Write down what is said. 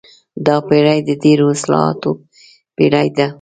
دا پېړۍ د ډېرو اصطلاحاتو پېړۍ ده.